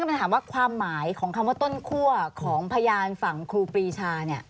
ก็เลยถามว่าความหมายของคำว่าต้นคั่วของพยานฝั่งครูปรีชา